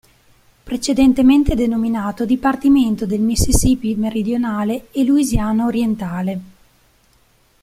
Precedentemente denominato Dipartimento del Mississippi Meridionale e Louisiana Orientale.